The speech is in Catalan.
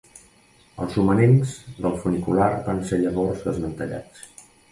Els romanents del funicular van ser llavors desmantellats.